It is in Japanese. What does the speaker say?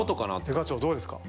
刑事長どうですか？